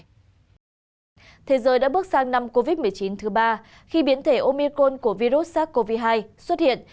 thế giới đã bước sang năm covid một mươi chín thứ ba khi biến thể omicon của virus sars cov hai xuất hiện